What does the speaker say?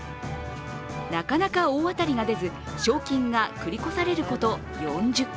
なかなか大当たりが出ず賞金が繰り越されること４０回。